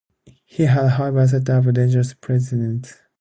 He had, however, set up a dangerous precedent.